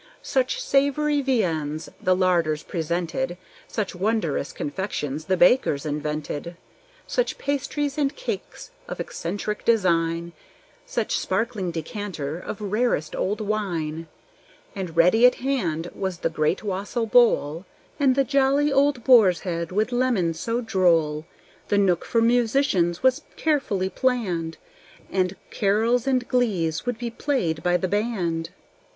Such savory viands the larders presented; Such wondrous confections the bakers invented: Such pasties and cates of eccentric design; Such sparkling decanters of rarest old wine; And ready at hand was the great wassail bowl, And the jolly old boar's head, with lemon, so droll. The nook for musicians was carefully planned, And carols and glees would be played by the band.